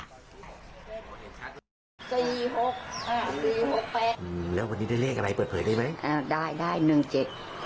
สี่แปดสี่หกอ่าสี่หกแปดอืมแล้ววันนี้ได้เลขอะไรเปิดเผยได้ไหมอ่าได้ได้หนึ่งเจ็ด